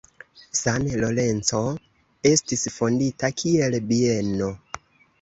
San Lorenzo estis fondita kiel bieno.